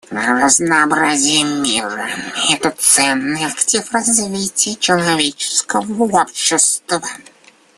Разнообразие мира — это ценный актив развития человеческого общества.